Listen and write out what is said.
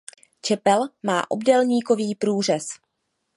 Čepel má obdélníkový průřez.